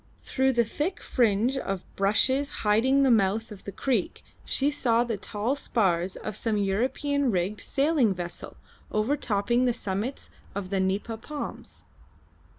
Through the thick fringe of bushes hiding the mouth of the creek she saw the tall spars of some European rigged sailing vessel overtopping the summits of the Nipa palms.